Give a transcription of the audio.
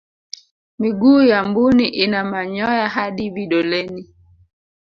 miguu ya mbuni ina manyoya hadi vidoleni